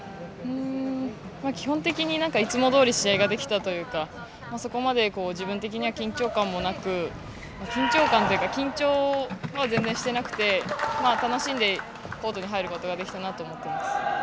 基本的にいつもどおり試合ができたというかそこまで、自分的には緊張感もなく緊張感というか緊張は全然していなくて楽しんでコートに入ることができたなと思っています。